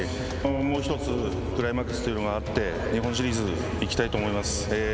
もうひとつクライマックスというのがあって日本シリーズに行きたいと思います。